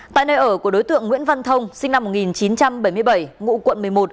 tại nơi ở của đối tượng nguyễn văn thông sinh năm một nghìn chín trăm bảy mươi bảy ngụ quận một mươi một